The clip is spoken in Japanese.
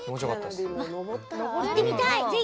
行ってみたい。